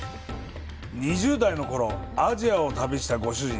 ２０代のころ、アジアを旅したご主人。